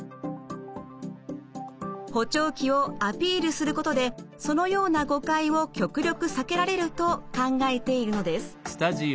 補聴器をアピールすることでそのような誤解を極力避けられると考えているのです。